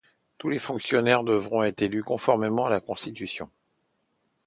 Tous les fonctionnaires devront être élus conformément à la Constitution.